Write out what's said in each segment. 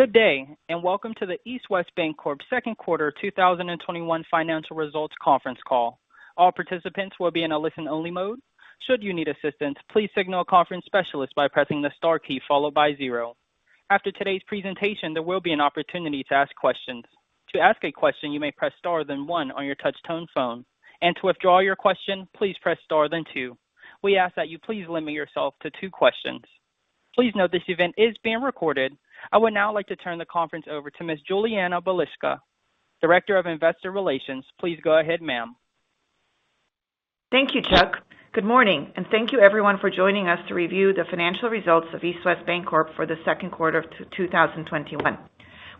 Good day, and welcome to the East West Bancorp second quarter 2021 financial results conference call. All participants will be in a listen-only mode. Should you need assistance, please signal a conference specialist by pressing the star key followed by zero. After today's presentation, there will be an opportunity to ask questions. To ask a question, you may press star, then one on your touchtone phone, and to withdraw your question, please press star then two. We ask that you please limit yourself to two questions. Please note this event is being recorded. I would now like to turn the conference over to Ms. Julianna Balicka, Director of Investor Relations. Please go ahead, ma'am. Thank you, Chuck. Good morning, and thank you everyone for joining us to review the financial results of East West Bancorp for the second quarter of 2021.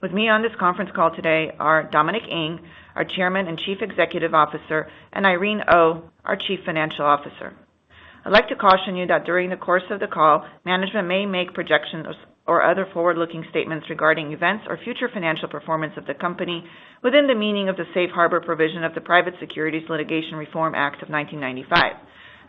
With me on this conference call today are Dominic Ng, our Chairman and Chief Executive Officer, and Irene Oh, our Chief Financial Officer. I'd like to caution you that during the course of the call, management may make projections or other forward-looking statements regarding events or future financial performance of the company within the meaning of the safe harbor provision of the Private Securities Litigation Reform Act of 1995.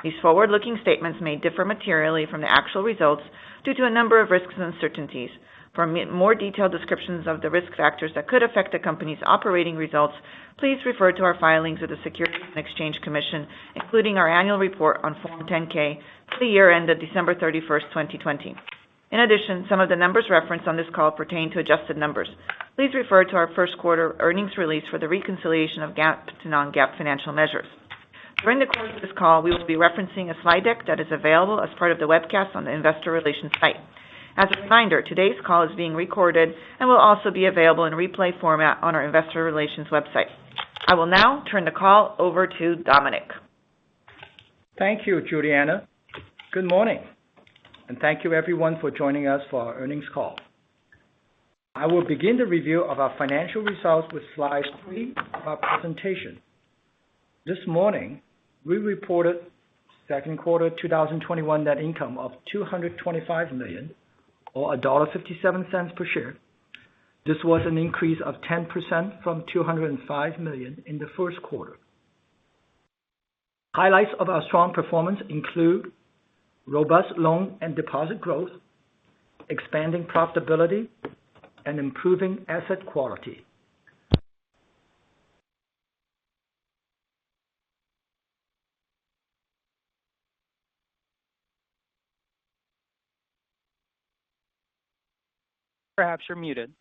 These forward-looking statements may differ materially from the actual results due to a number of risks and uncertainties. For more detailed descriptions of the risk factors that could affect the company's operating results, please refer to our filings with the Securities and Exchange Commission, including our annual report on Form 10-K for the year end of December 31st, 2020. In addition, some of the numbers referenced on this call pertain to adjusted numbers. Please refer to our first quarter earnings release for the reconciliation of GAAP to non-GAAP financial measures. During the course of this call, we will be referencing a slide deck that is available as part of the webcast on the investor relations site. As a reminder, today's call is being recorded and will also be available in replay format on our investor relations website. I will now turn the call over to Dominic. Thank you, Julianna. Good morning and thank you everyone for joining us for our earnings call. I will begin the review of our financial results with slide three of our presentation. This morning, we reported second quarter 2021 net income of $225 million or $1.57 per share. This was an increase of 10% from $205 million in the first quarter. Highlights of our strong performance include robust loan and deposit growth, expanding profitability, and improving asset quality. Perhaps you're muted.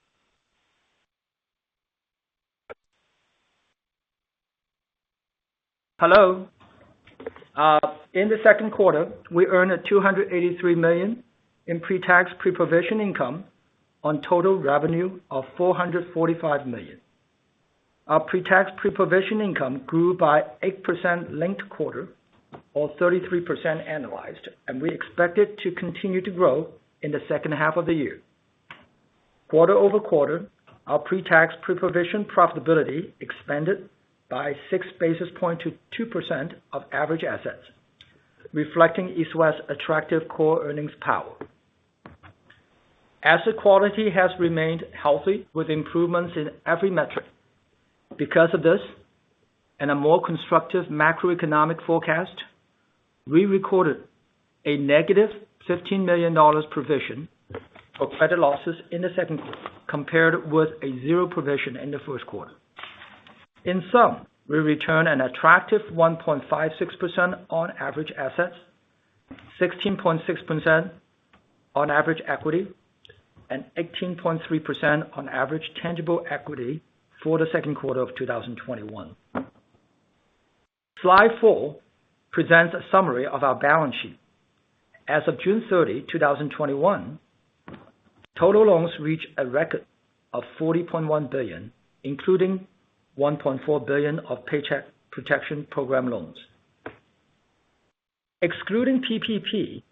Hello. In the second quarter, we earned a $283 million in pre-tax, pre-provision income on total revenue of $445 million. Our pre-tax, pre-provision income grew by 8% linked-quarter or 33% annualized, and we expect it to continue to grow in the second half of the year. Quarter-over-quarter, our pre-tax, pre-provision profitability expanded by 6 basis points to 2% of average assets, reflecting East West's attractive core earnings power. Asset quality has remained healthy with improvements in every metric. Because of this and a more constructive macroeconomic forecast, we recorded a -$15 million provision for credit losses in the second quarter compared with a zero provision in the first quarter. In sum, we return an attractive 1.56% on average assets, 16.6% on average equity, and 18.3% on average tangible equity for the second quarter of 2021. Slide four presents a summary of our balance sheet. As of June 30, 2021, total loans reached a record of $40.1 billion, including $1.4 billion of Paycheck Protection Program loans. Excluding PPP,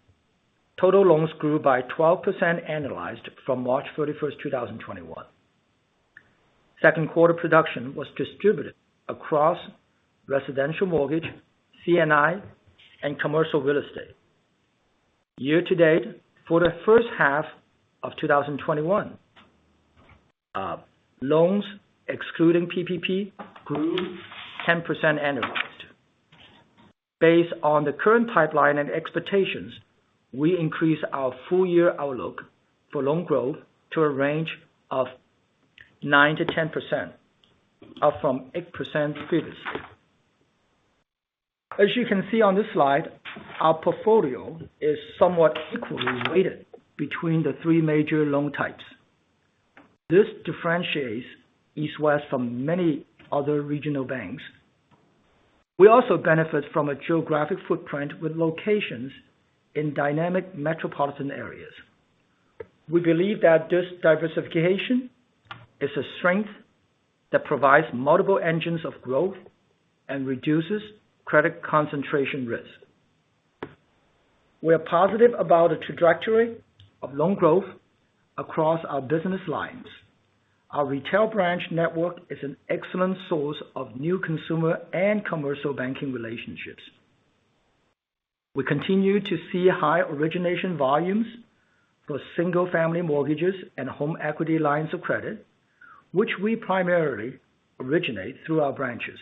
total loans grew by 12% annualized from March 31st, 2021. Second quarter production was distributed across residential mortgage, C&I, and commercial real estate. Year-to-date, for the first half of 2021, loans excluding PPP grew 10% annualized. Based on the current pipeline and expectations, we increased our full year outlook for loan growth to a range of 9%-10%, up from 8% previously. As you can see on this slide, our portfolio is somewhat equally weighted between the three major loan types. This differentiates East West from many other regional banks. We also benefit from a geographic footprint with locations in dynamic metropolitan areas. We believe that this diversification is a strength that provides multiple engines of growth and reduces credit concentration risk. We're positive about the trajectory of loan growth across our business lines. Our retail branch network is an excellent source of new consumer and commercial banking relationships. We continue to see high origination volumes for single-family mortgages and home equity lines of credit, which we primarily originate through our branches.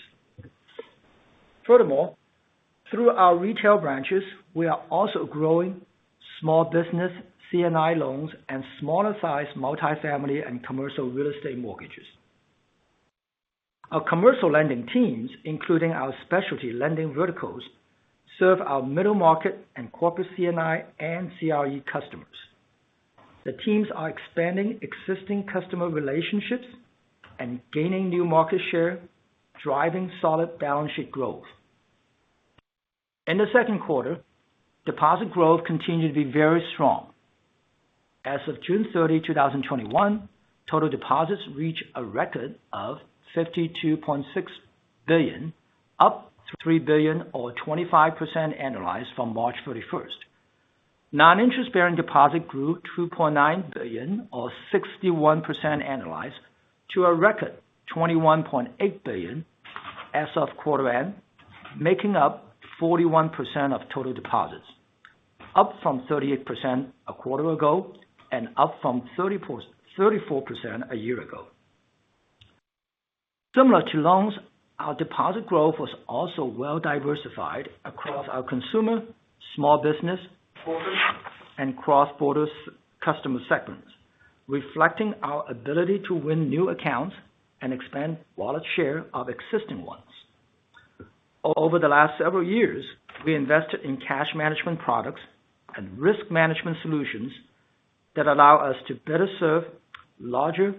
Furthermore, through our retail branches, we are also growing small business C&I loans and smaller size multifamily and commercial real estate mortgages. Our commercial lending teams, including our specialty lending verticals, serve our middle market and corporate C&I and CRE customers. The teams are expanding existing customer relationships and gaining new market share, driving solid balance sheet growth. In the second quarter, deposit growth continued to be very strong. As of June 30, 2021, total deposits reached a record of $52.6 billion, up $3 billion or 25% annualized from March 31st. Non-interest-bearing deposit grew $2.9 billion or 61% annualized to a record $21.8 billion as of quarter end, making up 41% of total deposits, up from 38% a quarter ago, up from 34% a year ago. Similar to loans, our deposit growth was also well diversified across our consumer, small business, corporate, and cross-border customer segments, reflecting our ability to win new accounts and expand wallet share of existing ones. Over the last several years, we invested in cash management products and risk management solutions that allow us to better serve larger,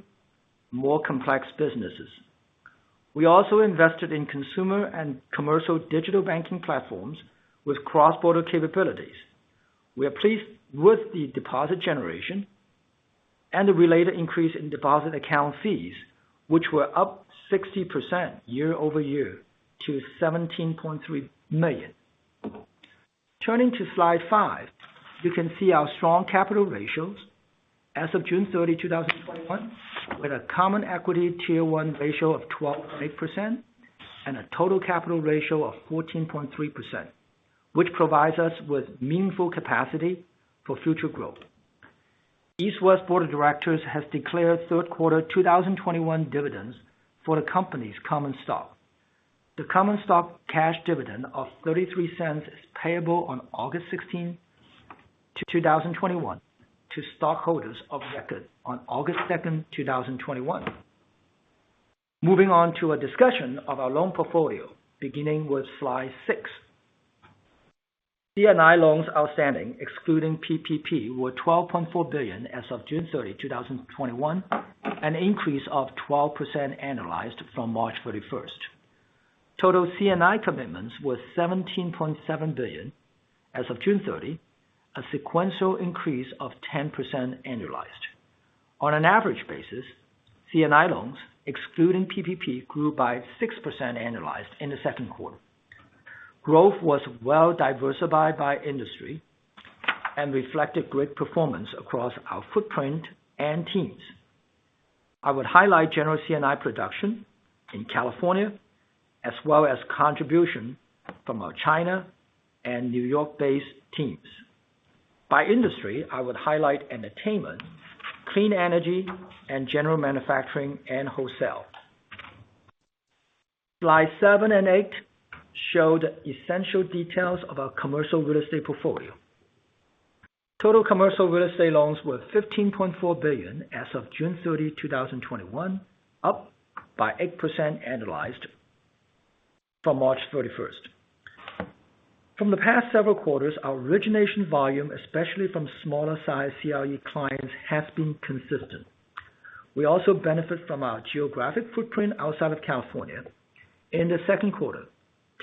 more complex businesses. We also invested in consumer and commercial digital banking platforms with cross-border capabilities. We are pleased with the deposit generation and the related increase in deposit account fees, which were up 60% year-over-year to $17.3 million. Turning to slide five. You can see our strong capital ratios as of June 30, 2021, with a common equity Tier One ratio of 12.8% and a total capital ratio of 14.3%, which provides us with meaningful capacity for future growth. East West board of directors has declared third quarter 2021 dividends for the company's common stock. The common stock cash dividend of $0.33 is payable on August 16th, 2021 to stockholders of record on August 7th, 2021. Moving on to a discussion of our loan portfolio beginning with slide six. C&I loans outstanding, excluding PPP, were $12.4 billion as of June 30, 2021, an increase of 12% annualized from March 31st. Total C&I commitments were $17.7 billion as of June 30, a sequential increase of 10% annualized. On an average basis, C&I loans, excluding PPP, grew by 6% annualized in the second quarter. Growth was well diversified by industry and reflected great performance across our footprint and teams. I would highlight general C&I production in California, as well as contribution from our China and N.Y.-based teams. By industry, I would highlight entertainment, clean energy, and general manufacturing and wholesale. Slide seven and eight show the essential details of our commercial real estate portfolio. Total commercial real estate loans were $15.4 billion as of June 30, 2021, up by 8% annualized from March 31st. From the past several quarters, our origination volume, especially from smaller size CRE clients, has been consistent. We also benefit from our geographic footprint outside of California. In the second quarter,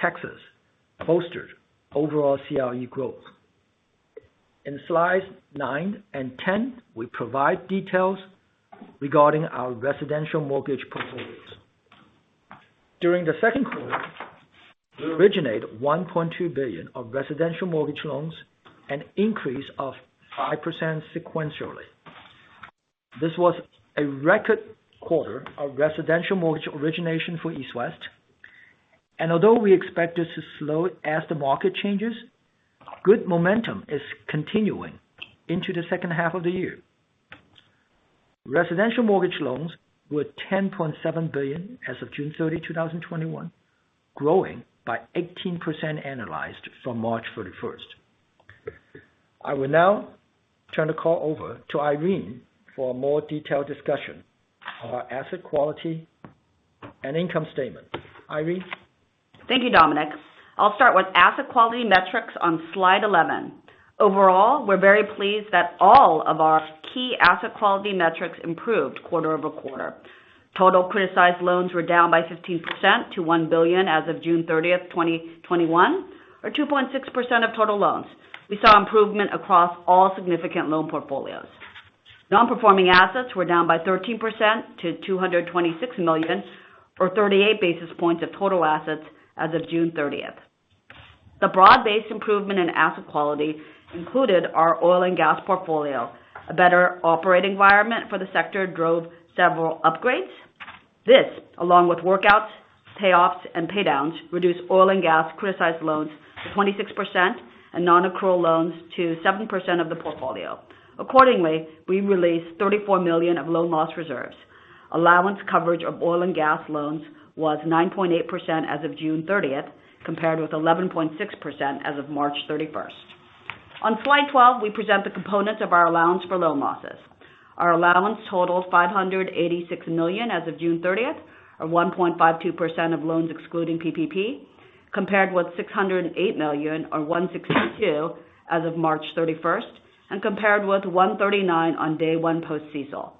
Texas bolstered overall CRE growth. In slides nine and 10, we provide details regarding our residential mortgage portfolios. During the second quarter, we originated $1.2 billion of residential mortgage loans, an increase of 5% sequentially. This was a record quarter of residential mortgage origination for East West, and although we expect this to slow as the market changes, good momentum is continuing into the second half of the year. Residential mortgage loans were $10.7 billion as of June 30, 2021, growing by 18% annualized from March 31st. I will now turn the call over to Irene for a more detailed discussion of our asset quality and income statement. Irene? Thank you, Dominic. I'll start with asset quality metrics on slide 11. Overall, we're very pleased that all of our key asset quality metrics improved quarter-over-quarter. Total criticized loans were down by 15% to $1 billion as of June 30th, 2021, or 2.6% of total loans. We saw improvement across all significant loan portfolios. Non-performing assets were down by 13% to $226 million, or 38 basis points of total assets as of June 30th. The broad-based improvement in asset quality included our oil and gas portfolio. A better operating environment for the sector drove several upgrades. This, along with workouts, payoffs, and paydowns, reduced oil and gas criticized loans to 26% and non-accrual loans to 7% of the portfolio. Accordingly, we released $34 million of loan loss reserves. Allowance coverage of oil and gas loans was 9.8% as of June 30th, compared with 11.6% as of March 31st. On slide 12, we present the components of our allowance for loan losses. Our allowance totaled $586 million as of June 30th, or 1.52% of loans excluding PPP, compared with $608 million or 1.62% as of March 31st, compared with 1.39% on day one post CECL.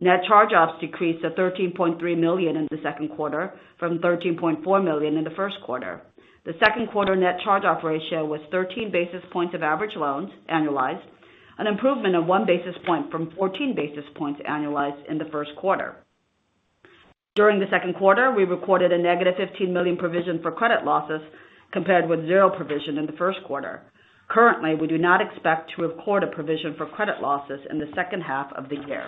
Net charge-offs decreased to $13.3 million in the second quarter from $13.4 million in the first quarter. The second quarter net charge-off ratio was 13 basis points of average loans annualized, an improvement of 1 basis point from 14 basis points annualized in the first quarter. During the second quarter, we recorded a -$15 million provision for credit losses compared with zero provision in the first quarter. Currently, we do not expect to record a provision for credit losses in the second half of the year.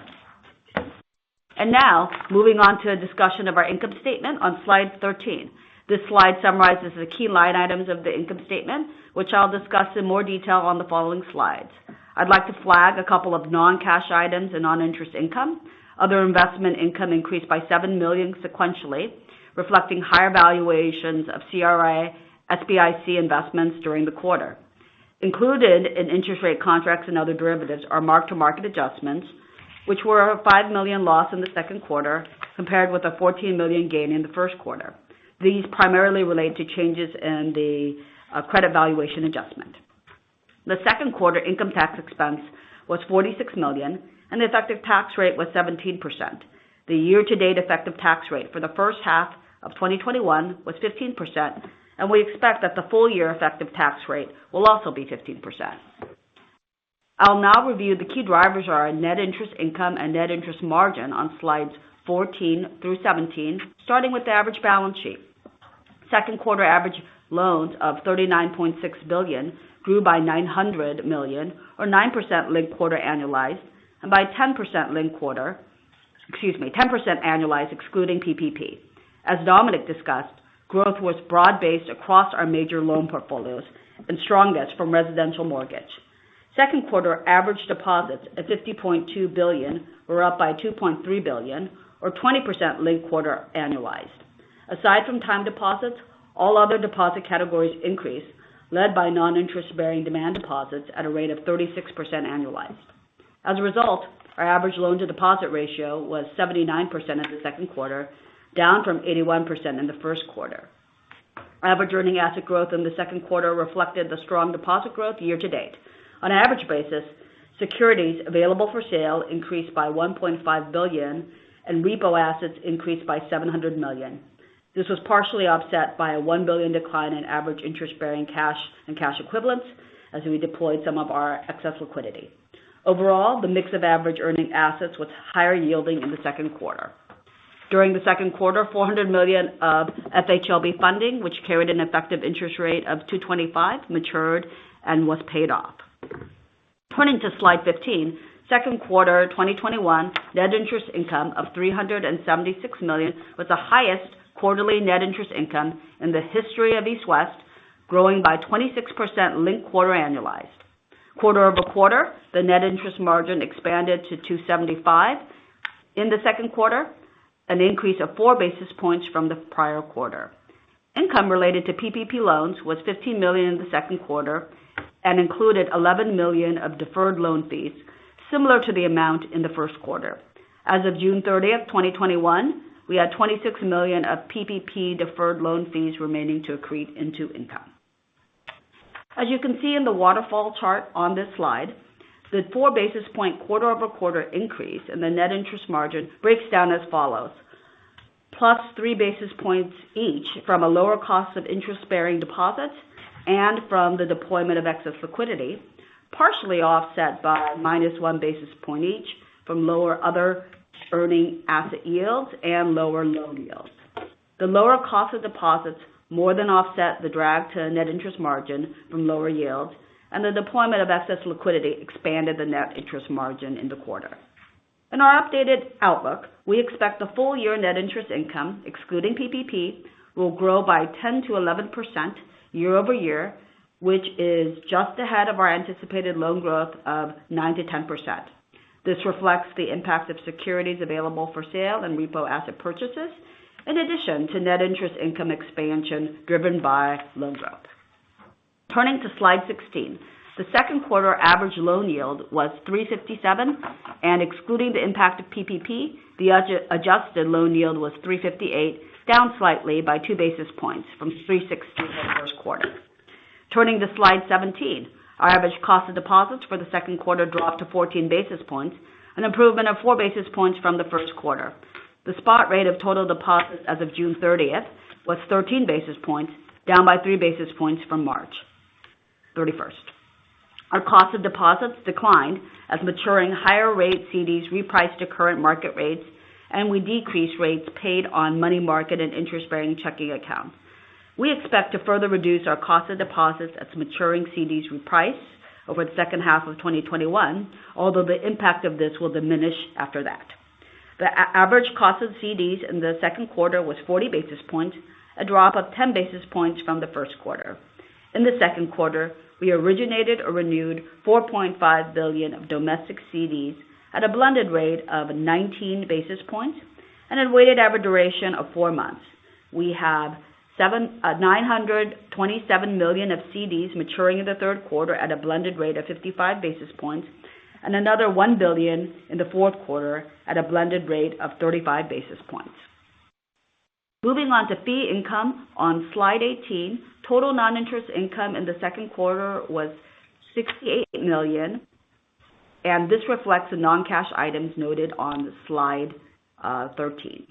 Now, moving on to a discussion of our income statement on slide 13. This slide summarizes the key line items of the income statement, which I'll discuss in more detail on the following slides. I'd like to flag a couple of non-cash items and non-interest income. Other investment income increased by $7 million sequentially, reflecting higher valuations of CRA SBIC investments during the quarter. Included in interest rate contracts and other derivatives are mark-to-market adjustments, which were a $5 million loss in the second quarter compared with a $14 million gain in the first quarter. These primarily relate to changes in the credit valuation adjustment. The second quarter income tax expense was $46 million, and the effective tax rate was 17%. The year-to-date effective tax rate for the first half of 2021 was 15%, and we expect that the full-year effective tax rate will also be 15%. I'll now review the key drivers of our net interest income and net interest margin on slides 14 through 17, starting with the average balance sheet. Second quarter average loans of $39.6 billion grew by $900 million or 9% linked-quarter annualized and by 10% annualized excluding PPP. As Dominic discussed, growth was broad-based across our major loan portfolios and strongest from residential mortgage. Second quarter average deposits at $50.2 billion were up by $2.3 billion or 20% linked-quarter annualized. Aside from time deposits, all other deposit categories increased, led by non-interest-bearing demand deposits at a rate of 36% annualized. As a result, our average loan-to-deposit ratio was 79% in the second quarter, down from 81% in the first quarter. Average earning asset growth in the second quarter reflected the strong deposit growth year-to-date. On an average basis, securities available for sale increased by $1.5 billion, and repo assets increased by $700 million. This was partially offset by a $1 billion decline in average interest-bearing cash and cash equivalents as we deployed some of our excess liquidity. Overall, the mix of average earning assets was higher yielding in the second quarter. During the second quarter, $400 million of FHLB funding, which carried an effective interest rate of 2.25%, matured and was paid off. Turning to slide 15. Second quarter 2021 net interest income of $376 million was the highest quarterly net interest income in the history of East West, growing by 26% linked-quarter annualized. Quarter-over-quarter, the net interest margin expanded to 2.75% in the second quarter, an increase of 4 basis points from the prior quarter. Income related to PPP loans was $15 million in second quarter and included $11 million of deferred loan fees, similar to the amount in the first quarter. As of June 30th, 2021, we had $26 million of PPP deferred loan fees remaining to accrete into income. As you can see in the waterfall chart on this slide, the 4-basis point quarter-over-quarter increase in the net interest margin breaks down as follows: +3 basis points each from a lower cost of interest-bearing deposits and from the deployment of excess liquidity, partially offset by -1 basis point each from lower other earning asset yields and lower loan yields. The lower cost of deposits more than offset the drag to net interest margin from lower yields, and the deployment of excess liquidity expanded the net interest margin in the quarter. In our updated outlook, we expect the full-year net interest income, excluding PPP, will grow by 10%-11% year-over-year, which is just ahead of our anticipated loan growth of 9%-10%. This reflects the impact of securities available for sale and repo asset purchases in addition to net interest income expansion driven by loan growth. Turning to slide 16. The second quarter average loan yield was 357, and excluding the impact of PPP, the adjusted loan yield was 358, down slightly by 2 basis points from 360 in the first quarter. Turning to slide 17. Our average cost of deposits for the second quarter dropped to 14 basis points, an improvement of 4 basis points from the first quarter. The spot rate of total deposits as of June 30th was 13 basis points, down by 3 basis points from March 31st. Our cost of deposits declined as maturing higher rate CDs repriced to current market rates, we decreased rates paid on money market and interest-bearing checking accounts. We expect to further reduce our cost of deposits as maturing CDs reprice over the second half of 2021, although the impact of this will diminish after that. The average cost of CDs in the second quarter was 40 basis points, a drop of 10 basis points from the first quarter. In the second quarter, we originated or renewed $4.5 billion of domestic CDs at a blended rate of 19 basis points and a weighted average duration of four months. We have $927 million of CDs maturing in the third quarter at a blended rate of 55 basis points and another $1 billion in the fourth quarter at a blended rate of 35 basis points. Moving on to fee income on slide 18. Total non-interest income in the second quarter was $68 million, and this reflects the non-cash items noted on slide 13.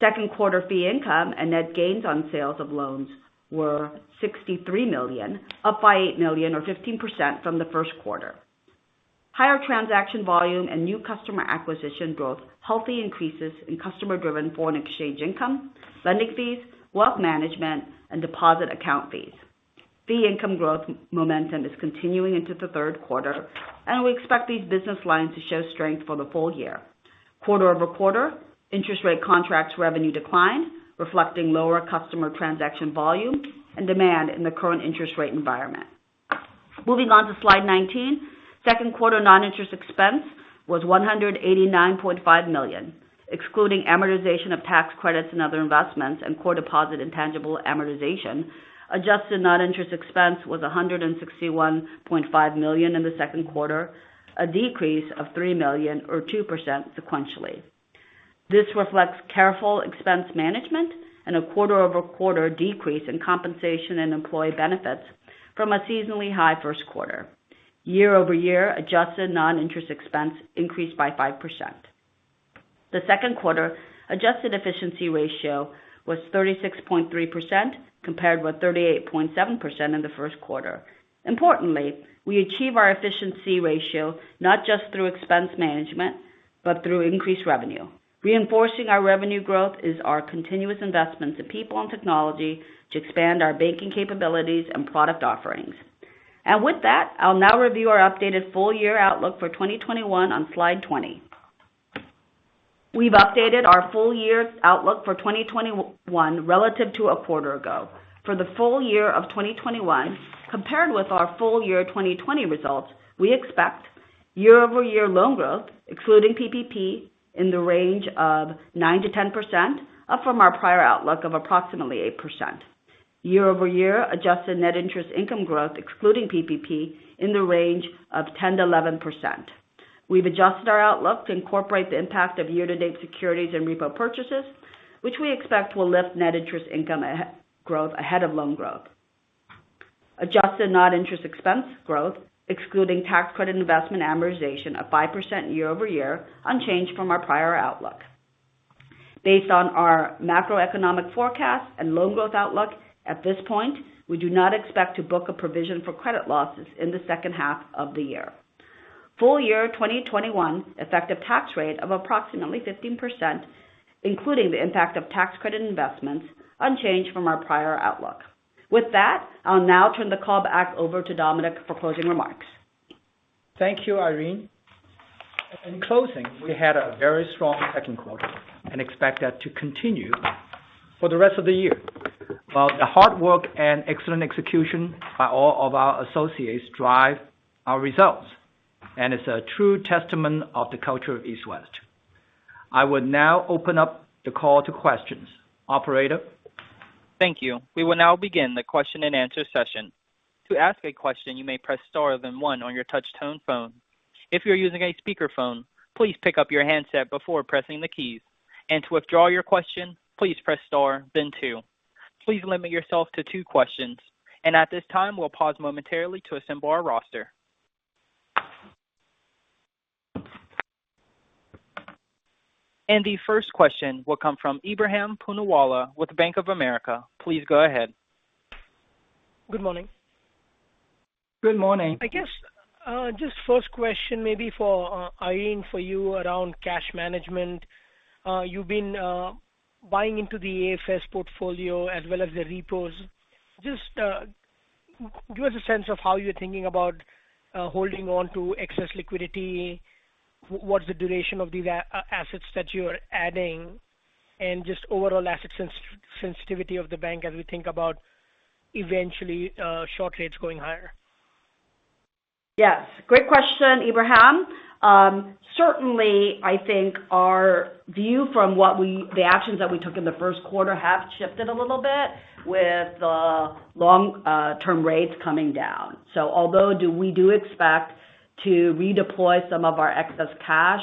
Second quarter fee income and net gains on sales of loans were $63 million, up by $8 million or 15% from the first quarter. Higher transaction volume and new customer acquisition growth, healthy increases in customer-driven foreign exchange income, lending fees, wealth management, and deposit account fees. Fee income growth momentum is continuing into the third quarter, and we expect these business lines to show strength for the full year. Quarter-over-quarter, interest rate contracts revenue declined, reflecting lower customer transaction volume and demand in the current interest rate environment. Moving on to slide 19. Second quarter non-interest expense was $189.5 million, excluding amortization of tax credits and other investments and core deposit intangible amortization. Adjusted non-interest expense was $161.5 million in the second quarter, a decrease of $3 million or 2% sequentially. This reflects careful expense management and a quarter-over-quarter decrease in compensation and employee benefits from a seasonally high first quarter. Year-over-year adjusted non-interest expense increased by 5%. The second quarter adjusted efficiency ratio was 36.3%, compared with 38.7% in the first quarter. Importantly, we achieve our efficiency ratio not just through expense management, but through increased revenue. Reinforcing our revenue growth is our continuous investment to people and technology to expand our banking capabilities and product offerings. With that, I'll now review our updated full year outlook for 2021 on slide 20. We've updated our full year outlook for 2021 relative to a quarter ago. For the full year of 2021 compared with our full year 2020 results, we expect year-over-year loan growth, excluding PPP, in the range of 9%-10%, up from our prior outlook of approximately 8%. Year-over-year adjusted net interest income growth, excluding PPP, in the range of 10%-11%. We've adjusted our outlook to incorporate the impact of year-to-date securities and repo purchases, which we expect will lift net interest income growth ahead of loan growth. Adjusted non-interest expense growth, excluding tax credit investment amortization of 5% year-over-year, unchanged from our prior outlook. Based on our macroeconomic forecast and loan growth outlook, at this point, we do not expect to book a provision for credit losses in the second half of the year. Full year 2021 effective tax rate of approximately 15%, including the impact of tax credit investments, unchanged from our prior outlook. With that, I'll now turn the call back over to Dominic for closing remarks. Thank you, Irene. In closing, we had a very strong second quarter and expect that to continue for the rest of the year. While the hard work and excellent execution by all of our associates drive our results, and it's a true testament of the culture of East West. I would now open up the call to questions. Operator? Thank you. We will now begin the question-and-answer session. To ask a question, you may press star then one on your touchtone phone. If you're using a speakerphone, please pick up your handset before pressing the keys. To withdraw your question, please press star then two. Please limit yourself to two questions. At this time, we'll pause momentarily to assemble our roster. The first question will come from Ebrahim Poonawala with Bank of America. Please go ahead. Good morning. Good morning. I guess, just first question maybe for Irene, for you around cash management. You've been buying into the AFS portfolio as well as the repos. Just give us a sense of how you're thinking about holding on to excess liquidity. What's the duration of these assets that you're adding? Just overall asset sensitivity of the bank as we think about eventually short rates going higher. Yes. Great question, Ebrahim. Certainly, I think our view from the actions that we took in the first quarter have shifted a little bit with the long-term rates coming down. Although we do expect to redeploy some of our excess cash,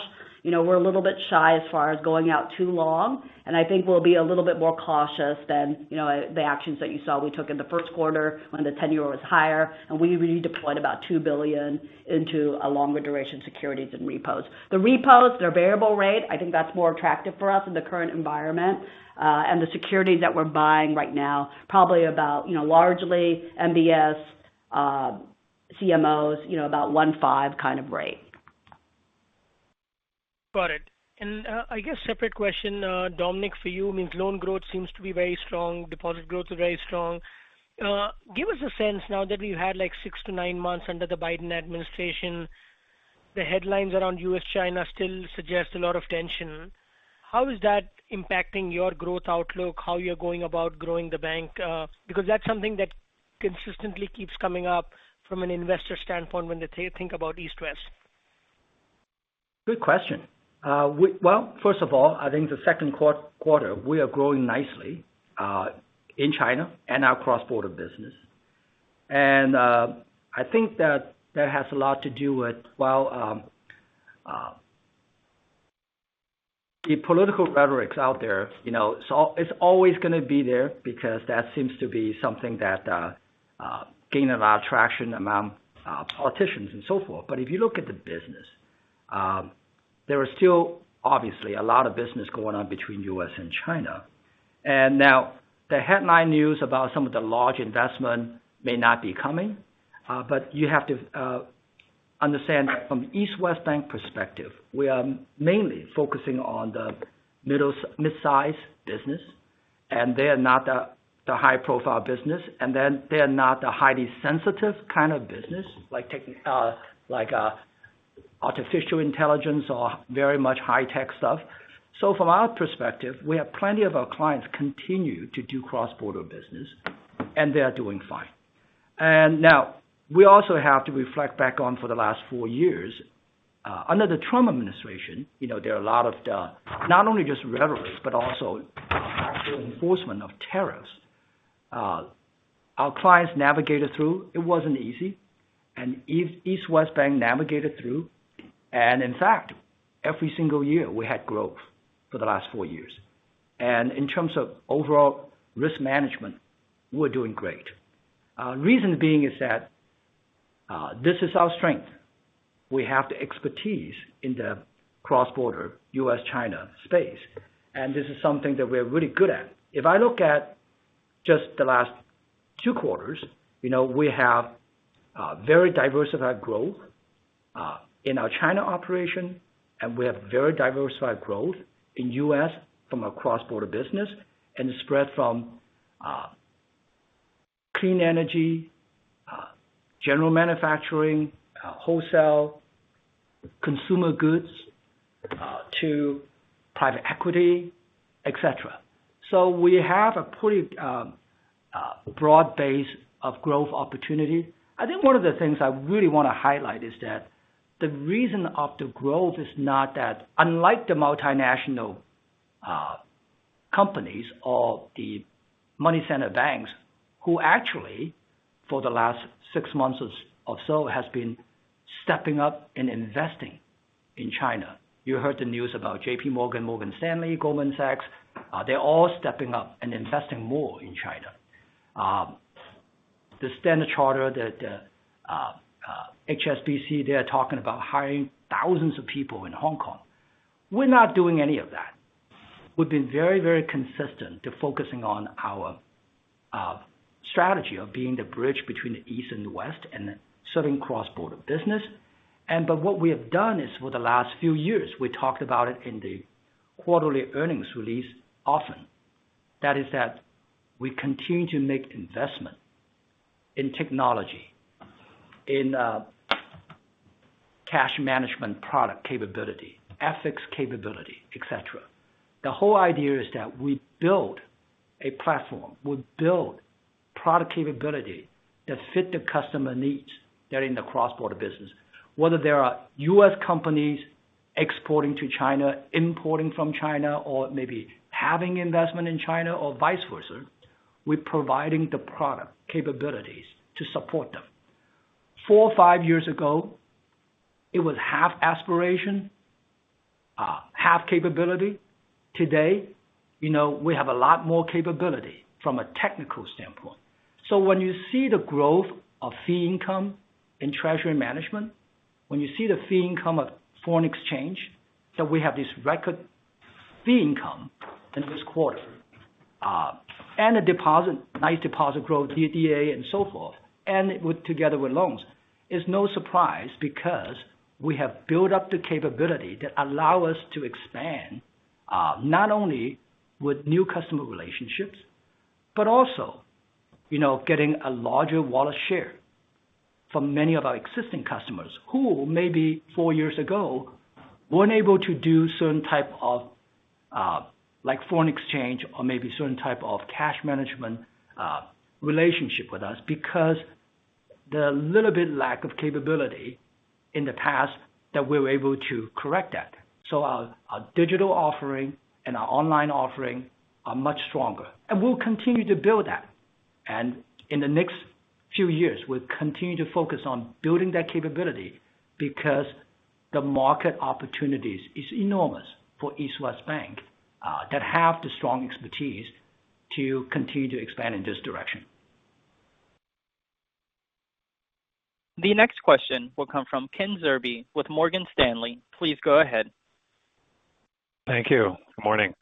we're a little bit shy as far as going out too long, and I think we'll be a little bit more cautious than the actions that you saw we took in the first quarter when the 10-year was higher, and we redeployed about $2 billion into a longer duration securities and repos. The repos, they're variable-rate. I think that's more attractive for us in the current environment. The securities that we're buying right now, probably about largely MBS, CMOs, about 1.5% kind of rate. Got it. I guess separate question, Dominic, for you. Loan growth seems to be very strong, deposit growth is very strong. Give us a sense now that we've had six to nine months under the Biden administration. The headlines around U.S.-China still suggest a lot of tension. How is that impacting your growth outlook, how you're going about growing the bank? That's something that consistently keeps coming up from an investor standpoint when they think about East West. Good question. First of all, I think the second quarter, we are growing nicely, in China and our cross-border business. I think that has a lot to do with the political rhetoric out there, it's always going to be there because that seems to be something that gain a lot of traction among politicians and so forth. If you look at the business, there is still obviously a lot of business going on between U.S. and China. Now the headline news about some of the large investment may not be coming. You have to understand that from East West Bank perspective, we are mainly focusing on the midsize business, and they are not the high-profile business. They are not the highly sensitive kind of business like artificial intelligence or very much high tech stuff. From our perspective, we have plenty of our clients continue to do cross-border business, and they are doing fine. Now we also have to reflect back on for the last four years. Under the Trump administration, there are a lot of, not only just rhetoric, but also actual enforcement of tariffs. Our clients navigated through. It wasn't easy. East West Bank navigated through. In fact, every single year we had growth for the last four years. In terms of overall risk management, we're doing great. Reason being is that, this is our strength. We have the expertise in the cross-border U.S.-China space, and this is something that we're really good at. If I look at just the last two quarters, we have very diversified growth, in our China operation, and we have very diversified growth in U.S. from a cross-border business and spread from clean energy, general manufacturing, wholesale consumer goods, to private equity, et cetera. We have a pretty broad base of growth opportunity. I think one of the things I really want to highlight is that the reason of the growth is not that unlike the multinational companies or the money center banks, who actually for the last six months or so, has been stepping up and investing in China. You heard the news about JPMorgan, Morgan Stanley, Goldman Sachs. They're all stepping up and investing more in China. The Standard Chartered, the HSBC, they're talking about hiring thousands of people in Hong Kong. We're not doing any of that. We've been very consistent to focusing on our strategy of being the bridge between the East and the West and serving cross-border business. What we have done is for the last few years, we talked about it in the quarterly earnings release often. That is that we continue to make investment in technology, in cash management, product capability, FX capability, et cetera. The whole idea is that we build a platform. We build product capability that fit the customer needs that are in the cross-border business. Whether they are U.S. companies exporting to China, importing from China, or maybe having investment in China or vice versa. We're providing the product capabilities to support them. Four or five years ago, it was half aspiration, half capability. Today, we know we have a lot more capability from a technical standpoint. When you see the growth of fee income in treasury management, when you see the fee income of foreign exchange, that we have this record fee income in this quarter, and a nice deposit growth DDA and so forth, and with together with loans, it's no surprise because we have built up the capability that allow us to expand, not only with new customer relationships, but also getting a larger wallet share from many of our existing customers who maybe four years ago weren't able to do certain type of foreign exchange or maybe certain type of cash management relationship with us because the little bit lack of capability in the past that we were able to correct that. Our digital offering and our online offering are much stronger, and we'll continue to build that. In the next few years, we'll continue to focus on building that capability because the market opportunities is enormous for East West Bank, that have the strong expertise to continue to expand in this direction. The next question will come from Ken Zerbe with Morgan Stanley. Please go ahead. Thank you. Good morning.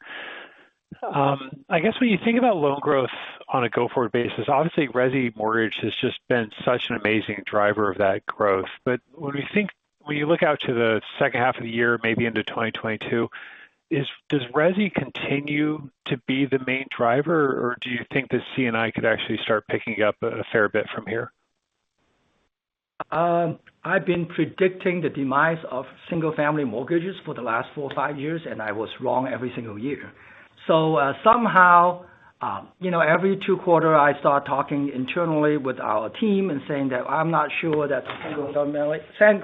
I guess when you think about loan growth on a go-forward basis, obviously resi mortgage has just been such an amazing driver of that growth. When you look out to the second half of the year, maybe into 2022? Does resi continue to be the main driver, or do you think that C&I could actually start picking up a fair bit from here? I've been predicting the demise of single-family mortgages for the last four or five years, and I was wrong every single year. Somehow, every two quarter, I start talking internally with our team and saying that I'm not sure that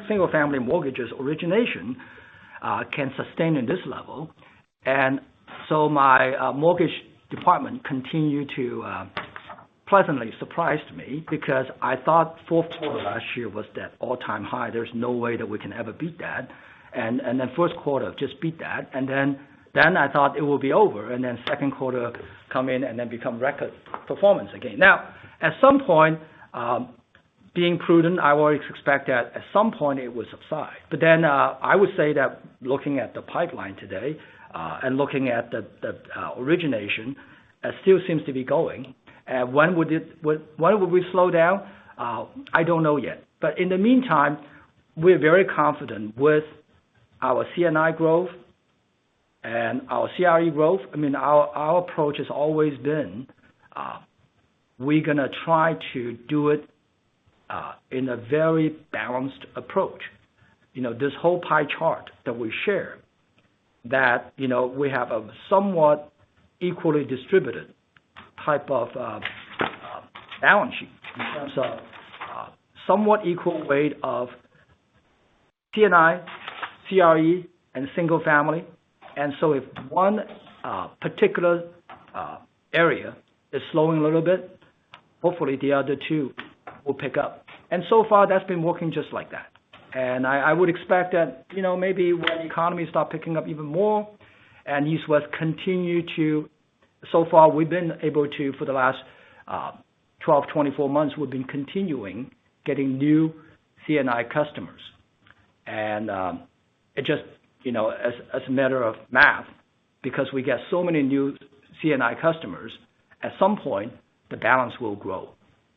single-family mortgages origination can sustain at this level. My mortgage department continue to pleasantly surprised me because I thought fourth quarter last year was that all-time high. There's no way that we can ever beat that. First quarter just beat that. Then I thought it would be over, and then second quarter come in and then become record performance again. At some point, being prudent, I always expect that at some point it would subside. I would say that looking at the pipeline today, and looking at the origination, it still seems to be going. When would we slow down? I don't know yet. In the meantime, we're very confident with our C&I growth and our CRE growth. Our approach has always been, we're going to try to do it in a very balanced approach. This whole pie chart that we share that we have a somewhat equally distributed type of balance sheet in terms of somewhat equal weight of C&I, CRE, and single family. If one particular area is slowing a little bit, hopefully the other two will pick up. So far, that's been working just like that. I would expect that, maybe when the economy start picking up even more and East West, so far we've been able to, for the last 12 months, 24 months, we've been continuing getting new C&I customers. It's just, as a matter of math, because we get so many new C&I customers, at some point, the balance will grow.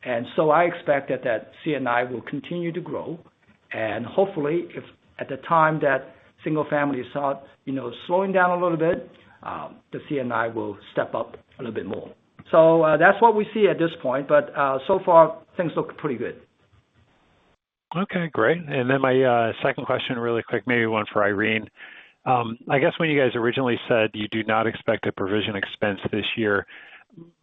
I expect that C&I will continue to grow. Hopefully, if at the time that single family starts slowing down a little bit, the C&I will step up a little bit more. That's what we see at this point. So far, things look pretty good. Okay, great. My second question really quick, maybe one for Irene. I guess when you guys originally said you do not expect a provision expense this year,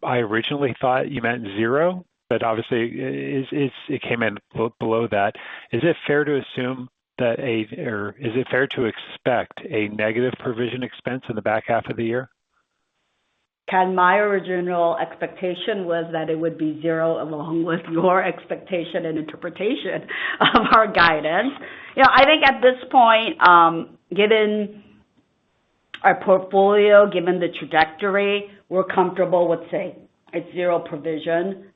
I originally thought you meant zero, but obviously, it came in below that. Is it fair to assume or is it fair to expect a negative provision expense in the back half of the year? Ken, my original expectation was that it would be zero along with your expectation and interpretation of our guidance. I think at this point, given our portfolio, given the trajectory, we're comfortable with saying a zero provision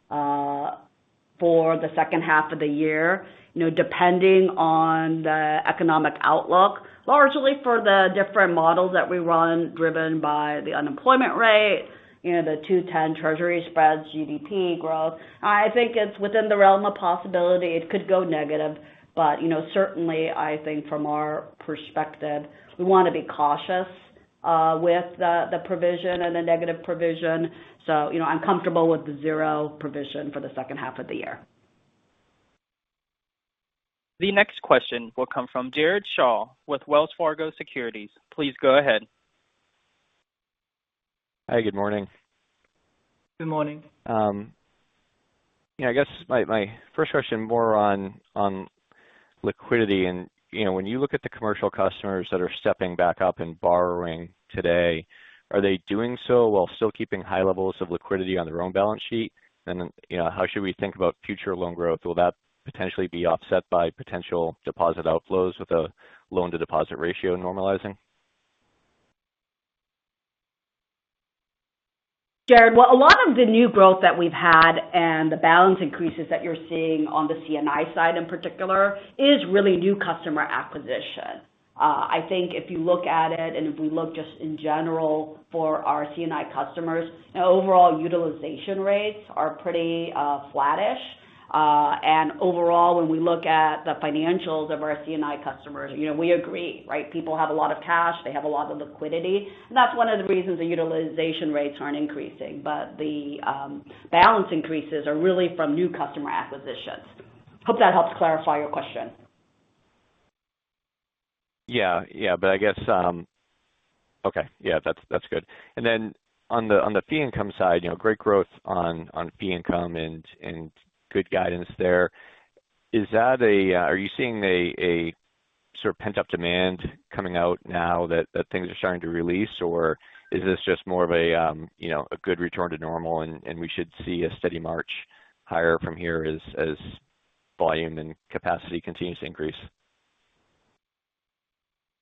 for the second half of the year, depending on the economic outlook. Largely for the different models that we run driven by the unemployment rate, the 2-10 treasury spreads, GDP growth. I think it's within the realm of possibility it could go negative, but certainly, I think from our perspective, we want to be cautious with the provision and the negative provision. I'm comfortable with the zero provision for the second half of the year. The next question will come from Jared Shaw with Wells Fargo Securities. Please go ahead. Hi, good morning. Good morning. I guess my first question more on liquidity. When you look at the commercial customers that are stepping back up and borrowing today, are they doing so while still keeping high levels of liquidity on their own balance sheet? Then, yeah, how should we think about future loan growth? Will that potentially be offset by potential deposit outflows with the loan-to-deposit ratio normalizing? Jared, well, a lot of the new growth that we've had and the balance increases that you're seeing on the C&I side in particular is really new customer acquisition. I think if you look at it, and if we look just in general for our C&I customers, overall utilization rates are pretty flattish. Overall, when we look at the financials of our C&I customers, we agree, right? People have a lot of cash. They have a lot of liquidity. That's one of the reasons the utilization rates aren't increasing. The balance increases are really from new customer acquisitions. Hope that helps clarify your question. Yeah. Okay. Yeah, that's good. On the fee income side, great growth on fee income and good guidance there. Are you seeing a sort of pent-up demand coming out now that things are starting to release, or is this just more of a good return to normal and we should see a steady march higher from here as volume and capacity continues to increase?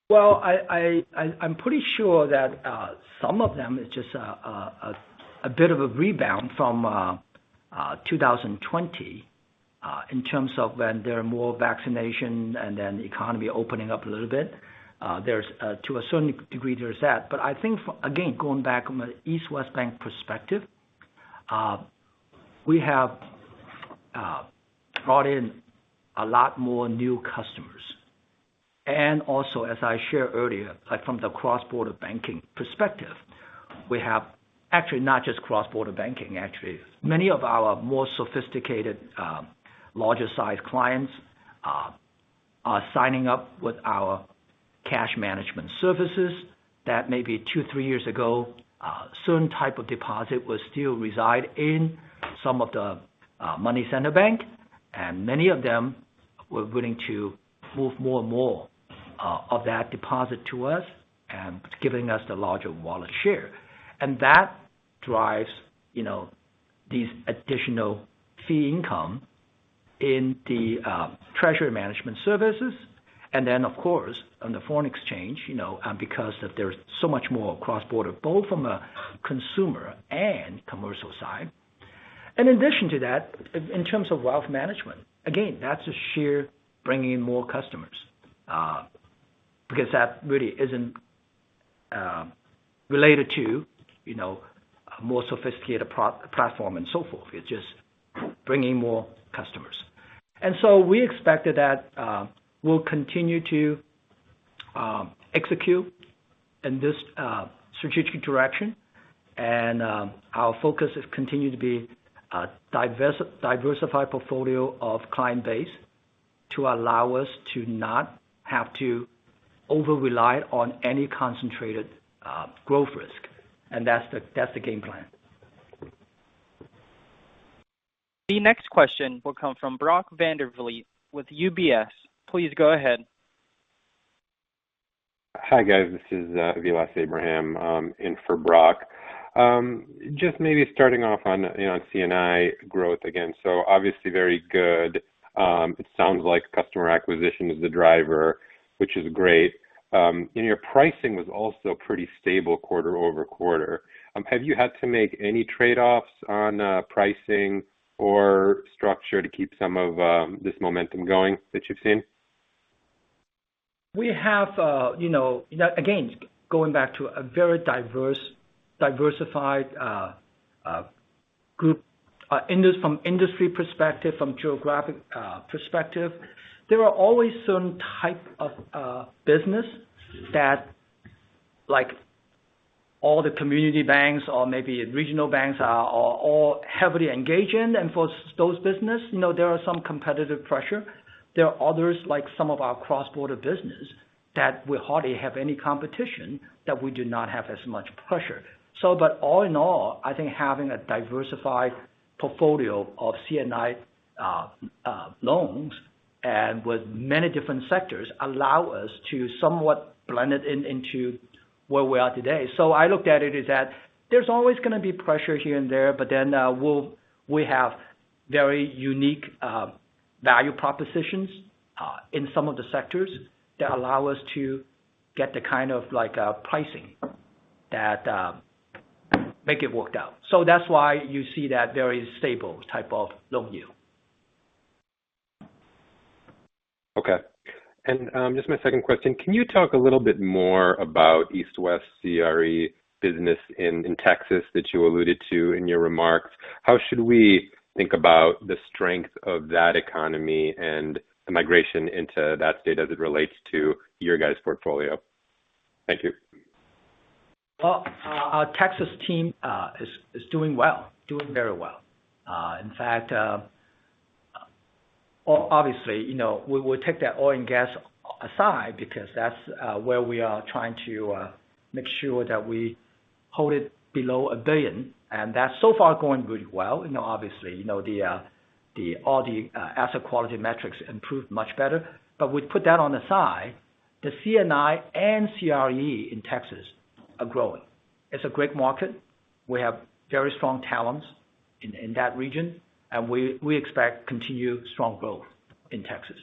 Well, I'm pretty sure that some of them is just a bit of a rebound from 2020, in terms of when there are more vaccination and then the economy opening up a little bit. To a certain degree, there's that. I think again, going back from an East West Bank perspective, we have brought in a lot more new customers. Also, as I shared earlier, from the cross-border banking perspective, we have actually not just cross-border banking, actually. Many of our more sophisticated, larger size clients are signing up with our cash management services that maybe two years, three years ago, certain type of deposit will still reside in some of the money center bank, and many of them were willing to move more and more of that deposit to us, and giving us the larger wallet share. That drives these additional fee income in the treasury management services and then, of course, on the foreign exchange, because there's so much more cross-border, both from a consumer and commercial side. In addition to that, in terms of wealth management, again, that's a sheer bringing in more customers, because that really isn't related to a more sophisticated platform and so forth. It's just bringing more customers. We expect that we'll continue to execute in this strategic direction, and our focus has continued to be a diversified portfolio of client base to allow us to not have to over-rely on any concentrated growth risk. That's the game plan. The next question will come from Brock Vandervliet with UBS. Please go ahead. Hi, guys. This is Vilas Abraham in for Brock. Just maybe starting off on C&I growth again. Obviously very good. It sounds like customer acquisition is the driver, which is great. Your pricing was also pretty stable quarter-over-quarter. Have you had to make any trade-offs on pricing or structure to keep some of this momentum going that you've seen? Going back to a very diversified group from industry perspective, from geographic perspective, there are always certain type of business that like all the community banks or maybe regional banks are all heavily engaged in. For those business, there are some competitive pressure. There are others, like some of our cross-border business, that we hardly have any competition, that we do not have as much pressure. All in all, I think having a diversified portfolio of C&I loans and with many different sectors allow us to somewhat blend it in into where we are today. I looked at it as that there's always going to be pressure here and there, we have very unique value propositions in some of the sectors that allow us to get the kind of pricing that make it work out. That's why you see that very stable type of loan yield. Okay. Just my second question, can you talk a little bit more about East West CRE business in Texas that you alluded to in your remarks? How should we think about the strength of that economy and the migration into that state as it relates to your guys' portfolio? Thank you. Well, our Texas team is doing well, doing very well. In fact, obviously, we will take that oil and gas aside because that's where we are trying to make sure that we hold it below $1 billion. That's so far going really well. Obviously, all the asset quality metrics improved much better. We put that on the side. The C&I and CRE in Texas are growing. It's a great market. We have very strong talents in that region, and we expect continued strong growth in Texas.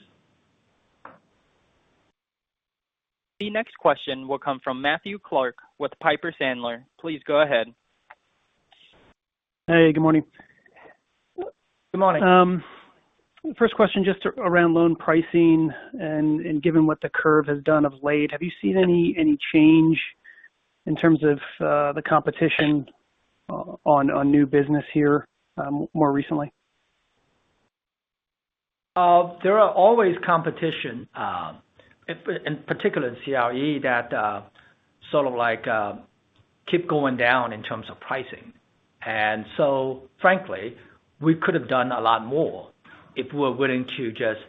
The next question will come from Matthew Clark with Piper Sandler. Please go ahead. Hey, good morning. Good morning. First question, just around loan pricing and given what the curve has done of late, have you seen any change in terms of the competition on new business here more recently? There are always competition, in particular in CRE, that sort of keep going down in terms of pricing. Frankly, we could have done a lot more if we're willing to just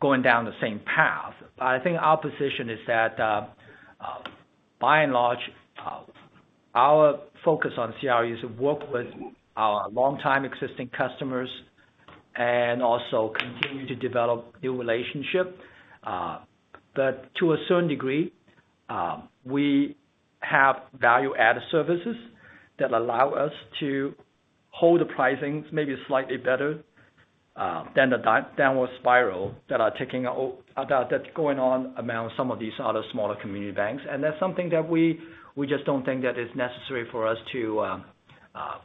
going down the same path. I think our position is that, by and large, our focus on CRE is to work with our longtime existing customers and also continue to develop new relationship. To a certain degree, we have value-added services that allow us to hold the pricing maybe slightly better than the downward spiral that's going on among some of these other smaller community banks. That's something that we just don't think that is necessary for us to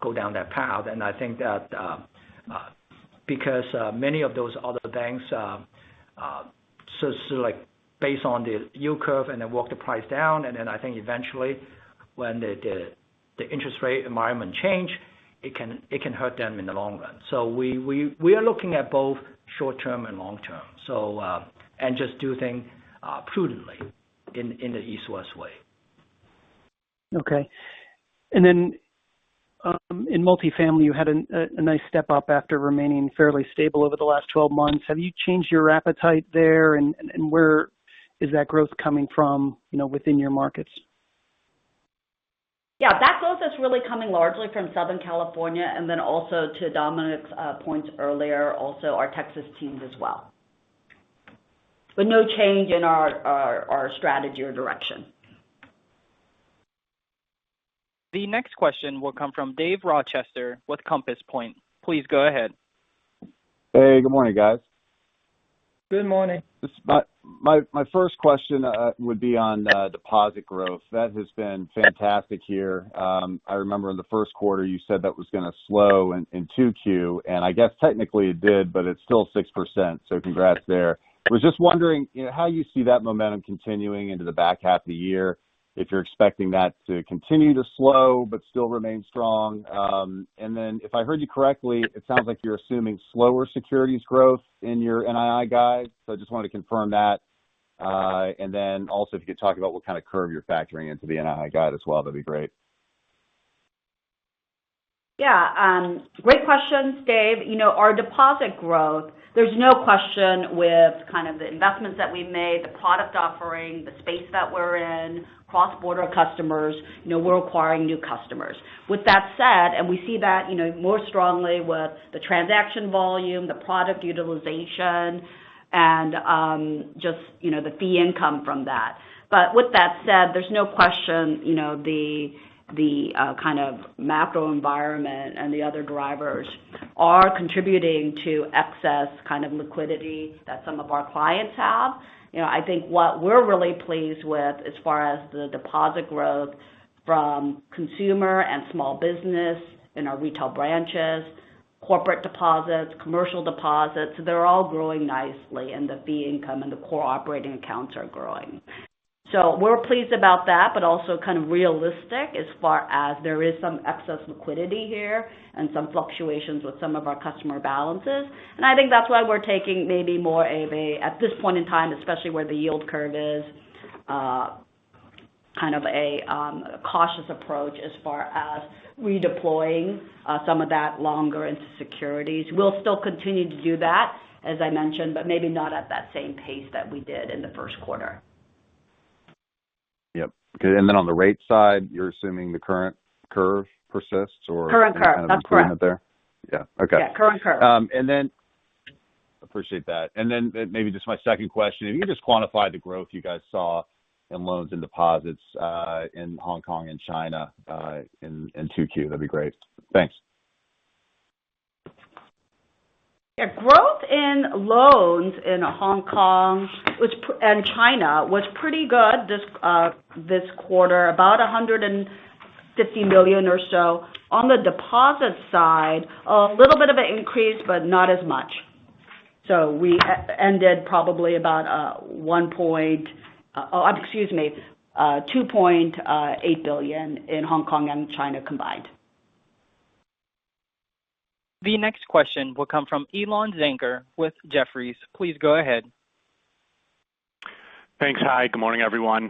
go down that path. I think that because many of those other banks based on the yield curve and then work the price down, and then I think eventually when the interest rate environment change, it can hurt them in the long run. We are looking at both short term and long term. Just do things prudently in the East West way. Okay. In multifamily, you had a nice step up after remaining fairly stable over the last 12 months. Have you changed your appetite there? Where is that growth coming from within your markets? Yeah. That growth is really coming largely from Southern California, and then also to Dominic's points earlier, also our Texas teams as well. No change in our strategy or direction. The next question will come from Dave Rochester with Compass Point. Please go ahead. Hey, good morning, guys. Good morning. My first question would be on deposit growth. That has been fantastic here. I remember in the first quarter you said that was going to slow in 2Q, and I guess technically it did, but it's still 6%. Congrats there. I was just wondering how you see that momentum continuing into the back half of the year, if you're expecting that to continue to slow but still remain strong. Then if I heard you correctly, it sounds like you're assuming slower securities growth in your NII guide. I just wanted to confirm that. Also if you could talk about what kind of curve you're factoring into the NII guide as well, that'd be great. Yeah. Great questions, Dave. Our deposit growth, there's no question with kind of the investments that we've made, the product offering, the space that we're in, cross-border customers, we're acquiring new customers. With that said, we see that more strongly with the transaction volume, the product utilization and just the fee income from that. With that said, there's no question the kind of macro environment and the other drivers are contributing to excess kind of liquidity that some of our clients have. I think what we're really pleased with as far as the deposit growth from consumer and small business in our retail branches, corporate deposits, commercial deposits, they're all growing nicely and the fee income and the core operating accounts are growing. We're pleased about that, but also kind of realistic as far as there is some excess liquidity here and some fluctuations with some of our customer balances. I think that's why we're taking maybe more a, at this point in time, especially where the yield curve is, kind of a cautious approach as far as redeploying some of that longer into securities. We'll still continue to do that, as I mentioned, but maybe not at that same pace that we did in the first quarter. Yep. Okay, on the rate side, you're assuming the current curve persists? Current curve. That's correct. Any kind of improvement there? Yeah. Okay. Yeah, current curve. Appreciate that. Then maybe just my second question, if you could just quantify the growth you guys saw in loans and deposits in Hong Kong and China in 2Q, that'd be great. Thanks. Yeah. Growth in loans in Hong Kong and China was pretty good this quarter, about $150 million or so. On the deposit side, a little bit of an increase, but not as much. We ended probably about $2.8 billion in Hong Kong and China combined. The next question will come from Elan Zanger with Jefferies. Please go ahead. Thanks. Hi, good morning, everyone.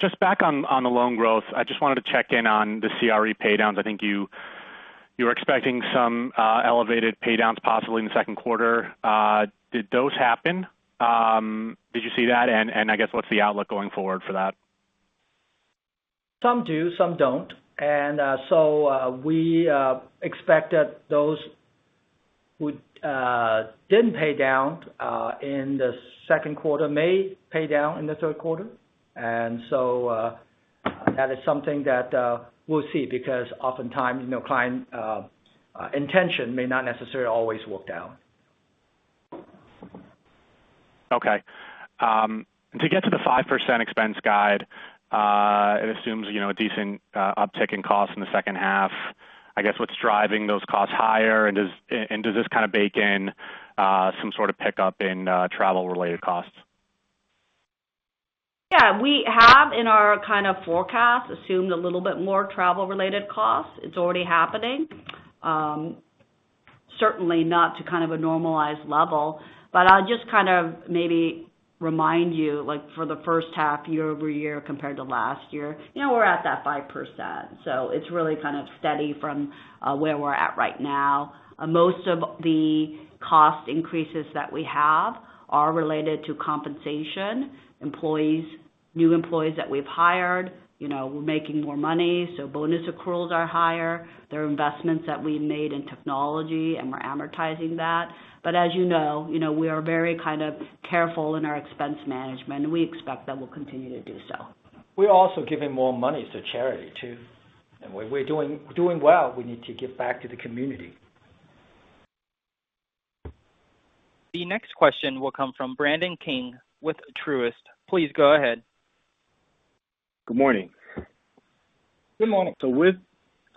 Just back on the loan growth, I just wanted to check in on the CRE pay downs. I think you were expecting some elevated pay downs possibly in the second quarter. Did those happen? Did you see that? I guess what's the outlook going forward for that? Some do, some don't. We expect that those who didn't pay down in the second quarter may pay down in the third quarter. That is something that we'll see, because oftentimes client intention may not necessarily always work out. Okay. To get to the 5% expense guide, it assumes a decent uptick in cost in the second half. I guess what's driving those costs higher, and does this kind of bake in some sort of pickup in travel related costs? Yeah. We have in our kind of forecast assumed a little bit more travel related costs. It's already happening. Certainly not to kind of a normalized level, but I'll just kind of maybe remind you, like for the first half year-over-year compared to last year, we're at that 5%. It's really kind of steady from where we're at right now. Most of the cost increases that we have are related to compensation, new employees that we've hired. We're making more money, so bonus accruals are higher. There are investments that we made in technology, and we're amortizing that. As you know, we are very kind of careful in our expense management, and we expect that we'll continue to do so. We're also giving more money to charity too. When we're doing well, we need to give back to the community. The next question will come from Brandon King with Truist. Please go ahead. Good morning. Good morning. Good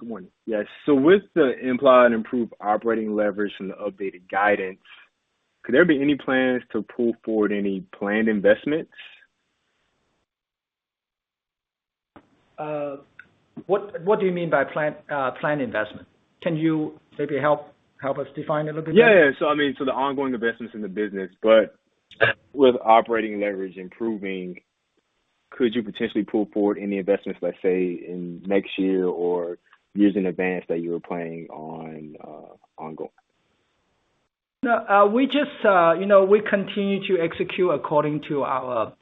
morning. Yes. With the implied improved operating leverage from the updated guidance, could there be any plans to pull forward any planned investments? What do you mean by planned investment? Can you maybe help us define it a little bit? Yeah. I mean, the ongoing investments in the business. With operating leverage improving, could you potentially pull forward any investments, let's say, in next year or years in advance that you were planning on ongoing? No. We just, you know, we continue to execute according to our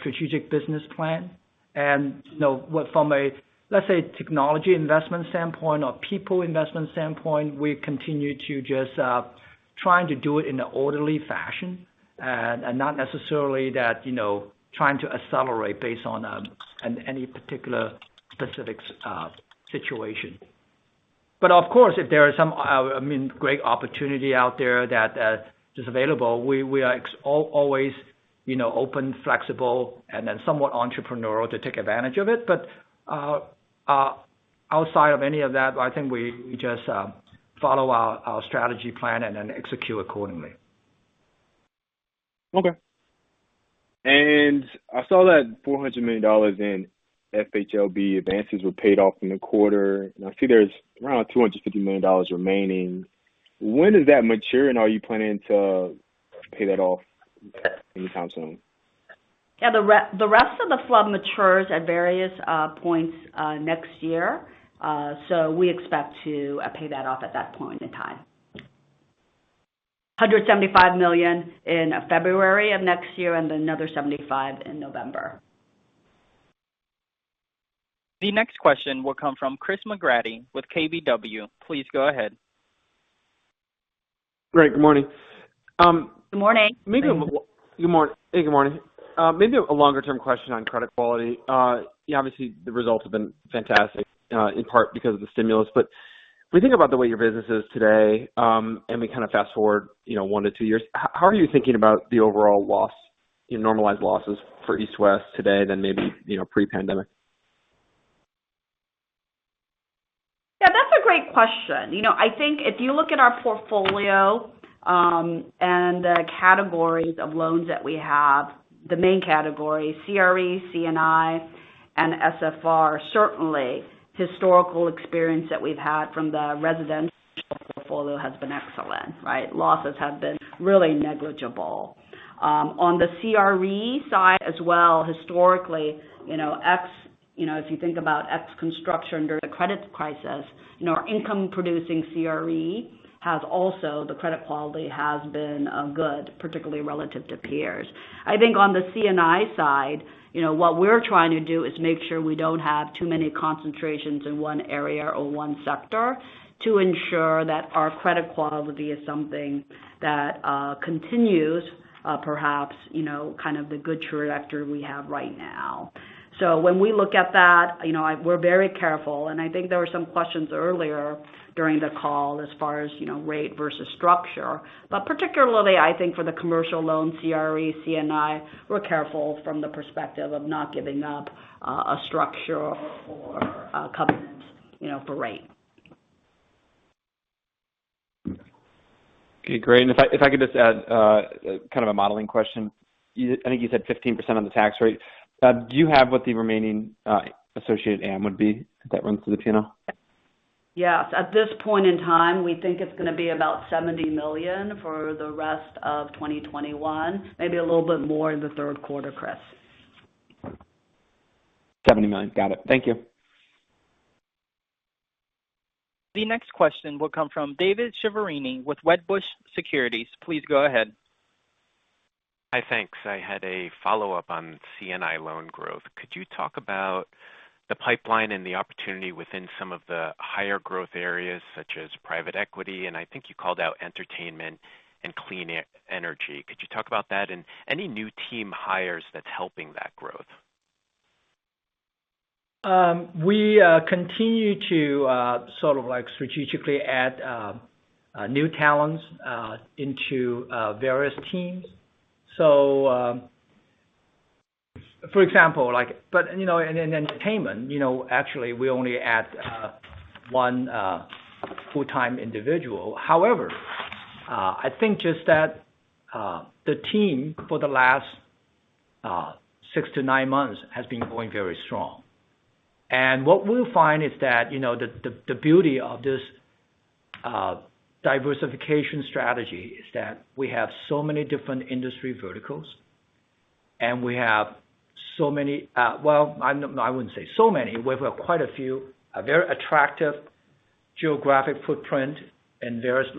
strategic business plan. From a, let's say, technology investment standpoint or people investment standpoint, we continue to just trying to do it in an orderly fashion and not necessarily that trying to accelerate based on any particular specific situation. Of course, if there is some great opportunity out there that is available, we are always open, flexible, and then somewhat entrepreneurial to take advantage of it. Outside of any of that, I think we just follow our strategy plan and then execute accordingly. Okay. I saw that $400 million in FHLB advances were paid off in the quarter. I see there's around $250 million remaining. When does that mature, and are you planning to pay that off anytime soon? Yeah. The rest of the float matures at various points next year. We expect to pay that off at that point in time. $175 million in February of next year and another $75 million in November. The next question will come from Chris McGratty with KBW. Please go ahead. Great. Good morning. Good morning. Hey, good morning. Maybe a longer-term question on credit quality. Obviously, the results have been fantastic in part because of the stimulus. When you think about the way your business is today, and we kind of fast-forward one to two years, how are you thinking about the overall loss in normalized losses for East West today than maybe pre-pandemic? That's a great question. I think if you look at our portfolio, and the categories of loans that we have, the main category, CRE, C&I, and SFR, certainly historical experience that we've had from the residential portfolio has been excellent, right? Losses have been really negligible. On the CRE side as well, historically, if you think about ex-construction during the credit crisis, our income-producing CRE has also, the credit quality has been good, particularly relative to peers. I think on the C&I side, what we're trying to do is make sure we don't have too many concentrations in one area or one sector to ensure that our credit quality is something that continues perhaps, kind of the good trajectory we have right now. When we look at that, we're very careful, and I think there were some questions earlier during the call as far as rate versus structure. Particularly, I think for the commercial loan CRE, C&I, we're careful from the perspective of not giving up a structure for covenants for rate. Okay, great. If I could just add kind of a modeling question. I think you said 15% on the tax rate. Do you have what the remaining associated amort would be if that runs through the P&L? Yes. At this point in time, we think it's going to be about $70 million for the rest of 2021, maybe a little bit more in the third quarter, Chris. $70 million. Got it. Thank you. The next question will come from David Chiaverini with Wedbush Securities. Please go ahead. Hi. Thanks. I had a follow-up on C&I loan growth. Could you talk about the pipeline and the opportunity within some of the higher growth areas such as private equity, and I think you called out entertainment and clean energy. Could you talk about that and any new team hires that is helping that growth? We continue to sort of strategically add new talents into various teams. For example, in entertainment, actually we only add one full-time individual. However, I think just that the team for the last six to nine months has been going very strong. What we find is that the beauty of this diversification strategy is that we have so many different industry verticals, and we have so many, well, I wouldn't say so many. We have quite a few very attractive geographic footprint in various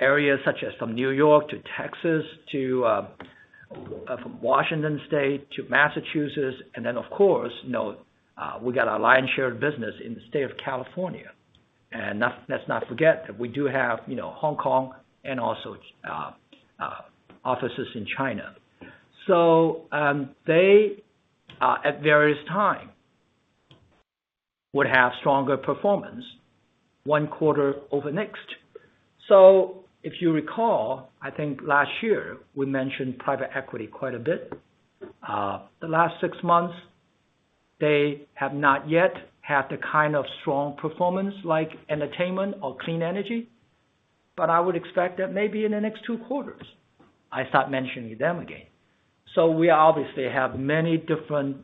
areas such as from N.Y. to Texas to from Washington State to Massachusetts, and then, of course, we got our lion's share of business in the state of California. Let's not forget that we do have Hong Kong and also offices in China. They at various time would have stronger performance one quarter over next. If you recall, I think last year, we mentioned private equity quite a bit. The last six months, they have not yet had the kind of strong performance like entertainment or clean energy, I would expect that maybe in the next two quarters, I start mentioning them again. We obviously have many different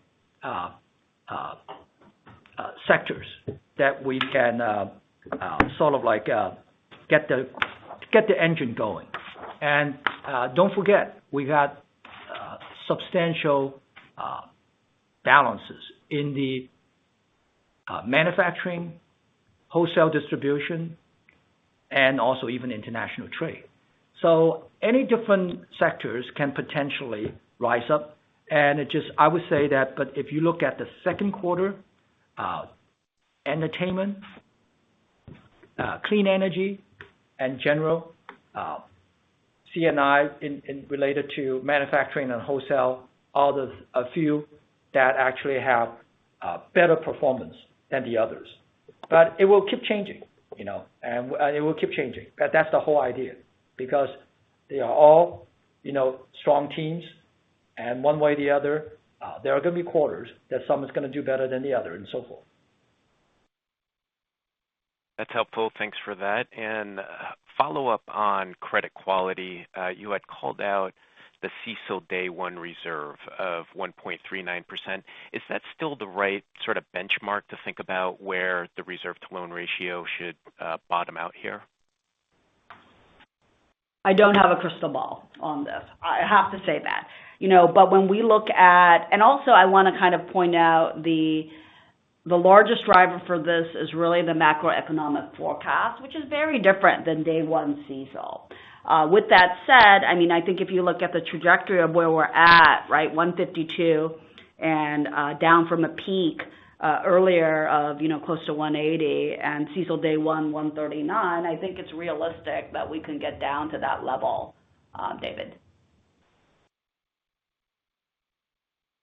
sectors that we can sort of get the engine going. Don't forget, we got substantial balances in the manufacturing, wholesale distribution, and also even international trade. Any different sectors can potentially rise up, and I would say that if you look at the second quarter, entertainment, clean energy, and general C&I related to manufacturing and wholesale are a few that actually have better performance than the others. It will keep changing. That's the whole idea. Because they are all strong teams, and one way or the other, there are going to be quarters that some are going to do better than the other, and so forth. That's helpful. Thanks for that. Follow-up on credit quality. You had called out the CECL day one reserve of 1.39%. Is that still the right sort of benchmark to think about where the reserve to loan ratio should bottom out here? I don't have a crystal ball on this. I have to say that. Also I want to kind of point out the largest driver for this is really the macroeconomic forecast, which is very different than day one CECL. With that said, I think if you look at the trajectory of where we're at, right, 152 and down from a peak earlier of close to 180, and CECL day one, 139, I think it's realistic that we can get down to that level, David.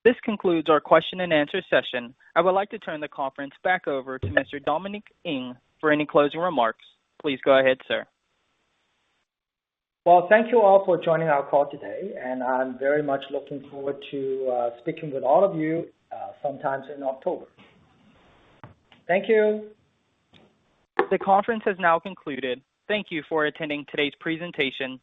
This concludes our question-and-answer session. I would like to turn the conference back over to Mr. Dominic Ng for any closing remarks. Please go ahead, sir. Well, thank you all for joining our call today, and I'm very much looking forward to speaking with all of you sometime in October. Thank you. The conference has now concluded. Thank you for attending today's presentation.